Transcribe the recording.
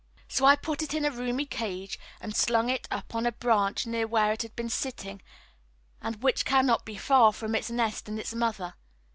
So I put it into a roomy cage and slung it up on a branch near where it had been sitting, and which cannot be far from its nest and its mother.